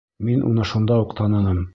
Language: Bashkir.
Мин уны шунда уҡ таныным.